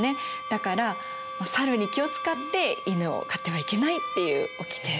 だから猿に気を遣って「犬を飼ってはいけない」っていうおきて。